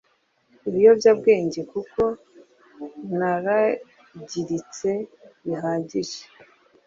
ibiyobyabwenge kuko naragiritse bihagije